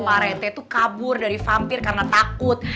pak rete tuh kabur dari vampir karena takut